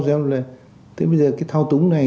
xem là thế bây giờ cái thao túng này